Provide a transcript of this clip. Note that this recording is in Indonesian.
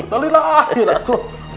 ya itu dalilah